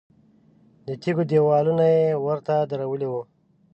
د تیږو دیوالونه یې ورته درولي وو.